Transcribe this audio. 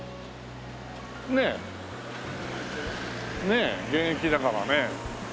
ねえ現役だからね。